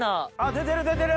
出てる出てる！